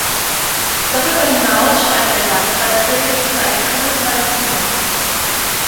Darüber hinaus schreibt er Gastbeiträge für Zeitungen und Magazine.